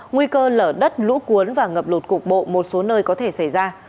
nguy cơ lở đất lũ cuốn và ngập lụt cục bộ một số nơi có thể xảy ra